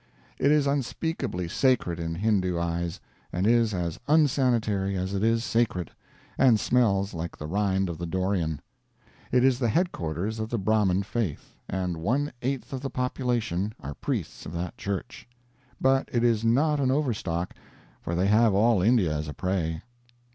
It is unspeakably sacred in Hindoo eyes, and is as unsanitary as it is sacred, and smells like the rind of the dorian. It is the headquarters of the Brahmin faith, and one eighth of the population are priests of that church. But it is not an overstock, for they have all India as a prey.